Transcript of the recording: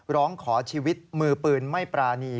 ร้องขอชีวิตมือปืนไม่ปรานี